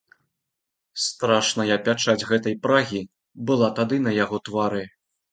Страшная пячаць гэтай прагі была тады на яго твары.